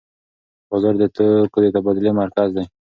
بازار د توکو د تبادلې مرکز دی.